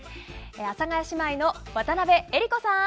阿佐ヶ谷姉妹の渡辺江里子さん。